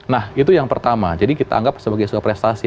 nah itu yang pertama jadi kita anggap sebagai sebuah prestasi